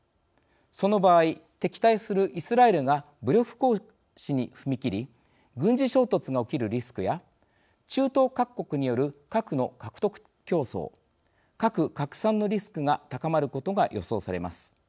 その場合、敵対するイスラエルが武力行使に踏み切り軍事衝突が起きるリスクや中東各国による核の獲得競争核拡散のリスクが高まることが予想されます。